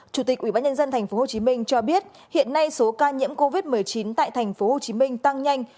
chủ tịch ubnd tp hcm cho biết hiện nay số ca nhiễm covid một mươi chín tại tp hcm tăng nhanh